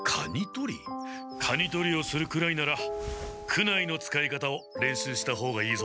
カニとりをするくらいなら苦無の使い方を練習した方がいいぞ！